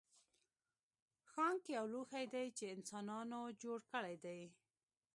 ښانک یو لوښی دی چې انسانانو جوړ کړی دی